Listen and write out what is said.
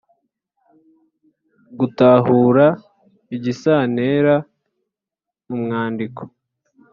Gutahura igisantera mu mwandiko